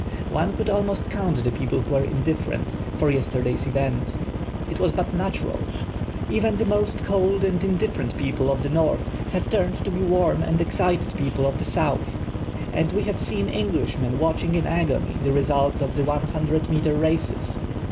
One could almost count the people who were indifferent, for yesterday's events. It was but natural. F.ven the most cold and indifferent people of the north have turned to he warm and excited people of the south, and we have seen Englishmen* watching in agony the results of the 100 meter races.